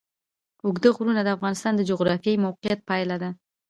اوږده غرونه د افغانستان د جغرافیایي موقیعت پایله ده.